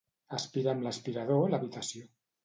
Aspirar amb l'aspirador l'habitació.